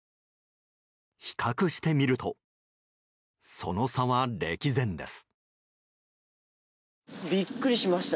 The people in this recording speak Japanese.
比較してみるとその差は歴然です。